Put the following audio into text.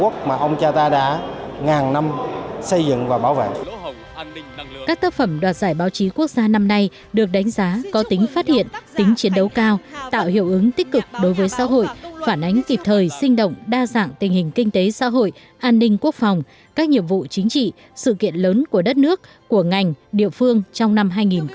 các tác phẩm đoạt giải báo chí quốc gia năm nay được đánh giá có tính phát hiện tính chiến đấu cao tạo hiệu ứng tích cực đối với xã hội phản ánh kịp thời sinh động đa dạng tình hình kinh tế xã hội an ninh quốc phòng các nhiệm vụ chính trị sự kiện lớn của đất nước của ngành địa phương trong năm hai nghìn một mươi chín